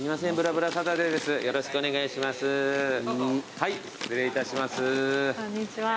はい失礼いたします。